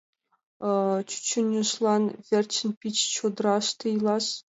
Чӱчӱньыжлан верчын пич чодраште илаш?